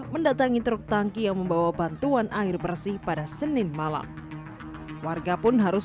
mendatangi truk tangki yang membawa bantuan air bersih pada senin malam warga pun harus